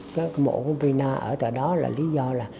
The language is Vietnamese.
cái mộ của pina ở tại đó là lý do là